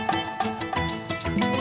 sama aceh kakaknya